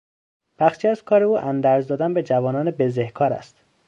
بخشی از کار او اندرز دادن به جوانان بزهکار است.